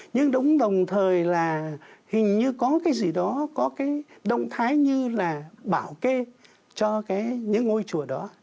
nhưng đúng đồng thời là hình như có cái gì đó có cái động thái như là bảo kê cho cái những ngôi chùa đó